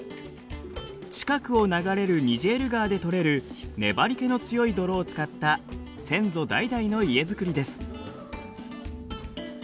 近くを流れるニジェール川で取れる粘りけの強い泥を使った先祖代々の家作りです。